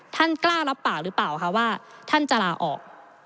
ท่านกล้ารับปากหรือเปล่าคะว่าท่านจะลาออก